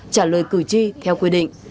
trả lời cử tri theo quy định